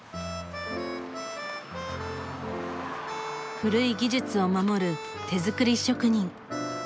古い技術を守る手作り職人。